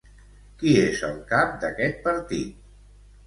Qui és el cap d'aquest partit?